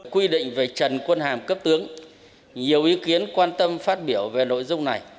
quy định về trần quân hàm cấp tướng nhiều ý kiến quan tâm phát biểu về nội dung này